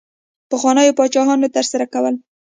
پخوانیو پاچاهانو ترسره کول.